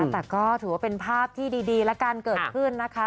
แต่ก็ถือว่าเป็นภาพที่ดีและการเกิดขึ้นนะคะ